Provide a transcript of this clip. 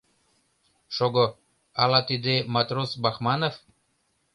Шого, ала тиде матрос Бахманов?..